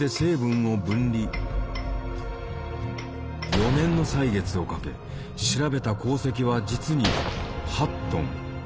４年の歳月をかけ調べた鉱石は実に８トン。